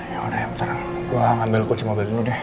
yaudah ya bentar gue ambil kunci mobil dulu deh